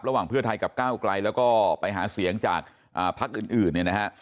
ระหว่างเพื่อไทยกับก้าวไกลแล้วก็ไปหาเสียงจากพักอื่นเนี่ยนะฮะ